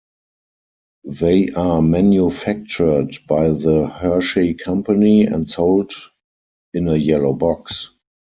They are manufactured by The Hershey Company, and sold in a yellow box.